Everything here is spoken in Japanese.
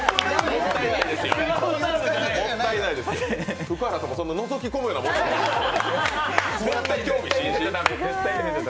もったいないですよ、福原さんもそんなのぞき込むようなこと、興味津々ですね。